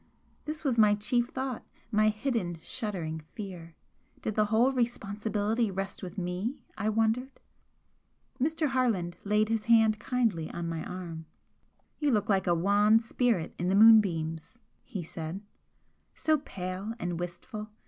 This was my chief thought, my hidden shuddering fear. Did the whole responsibility rest with me, I wondered? Mr. Harland laid his hand kindly on my arm. "You look like a wan spirit in the moonbeams," he said "So pale and wistful!